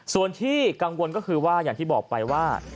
ส่วนที่กังวลก็คือว่าอย่างที่บอกไปว่า